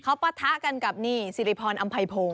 เขาปะทะกันกับนี่สิริพรอำไพพงศ